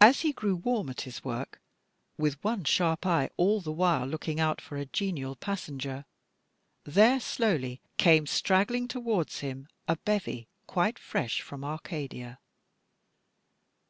As he grew warm at his work, with one sharp eye all the while looking out for a genial passenger, there slowly came straggling towards him a bevy quite fresh from Arcadia.